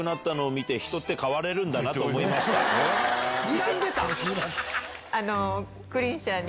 にらんでたん⁉